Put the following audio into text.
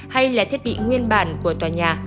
hay là thiết bị nguyên bản của tòa nhà